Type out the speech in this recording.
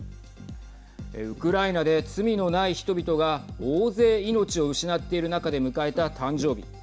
ウクライナで罪のない人々が大勢、命を失っている中で迎えた誕生日。